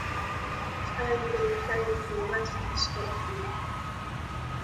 Turnbull played for West of Scotland.